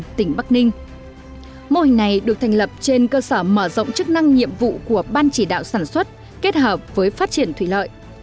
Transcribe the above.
mô hình ban chỉ đạo sản xuất và phát triển thủy lợi được thành lập trên cơ sở mở rộng chức năng nhiệm vụ của ban chỉ đạo sản xuất kết hợp với phát triển thủy lợi